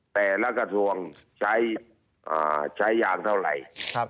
แต่ละกระทรวงใช้ยางเท่าไหร่